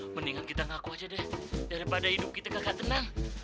mendingan kita ngaku aja deh daripada hidup kita kakak tenang